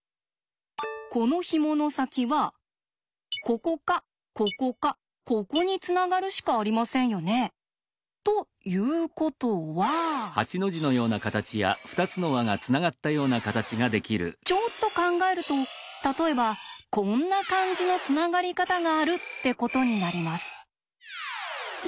このひもの先はここかここかここにつながるしかありませんよね？ということはちょっと考えると例えばこんな感じのつながり方があるってことになります。